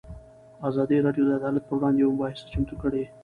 ازادي راډیو د عدالت پر وړاندې یوه مباحثه چمتو کړې.